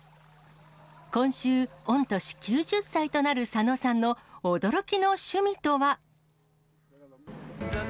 今週、御年９０歳となる佐野さんの驚きの趣味とは。